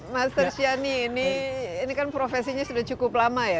master shiani ini ini kan profesinya sudah cukup lama ya